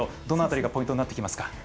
どの辺りが重要になってきますか。